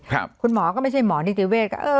ครับคุณหมอก็ไม่ใช่หมอนิ๑๙๕๔ก็เอ่อ